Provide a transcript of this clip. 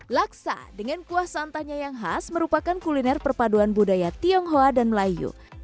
laksa dengan kuah santannya yang khas merupakan kuliner perpaduan budaya tionghoa dan melayu